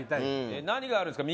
何があるんですか？